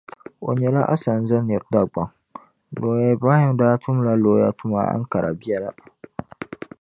O nyɛla asanza nira Dagbaŋ. Looya Ibrahima daa tumla looya tuma Ankara biɛla.